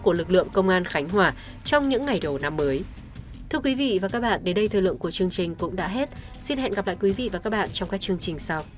của lực lượng công an khánh hòa trong những ngày đầu năm mới